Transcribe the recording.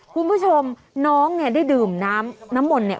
คุณผู้ชมน้องเนี่ยได้ดื่มน้ำน้ำมนต์เนี่ย